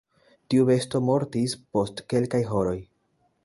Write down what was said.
Tiu besto mortis post kelkaj horoj.